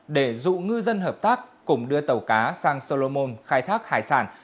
để dụ ngư dân hợp tác cùng đưa tàu cá sang solomon khai thác hải sản